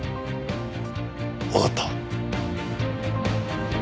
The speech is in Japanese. わかった。